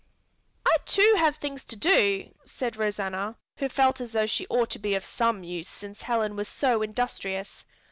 "I too have things to do," said Rosanna, who felt as though she ought to be of some use since Helen was so industrious.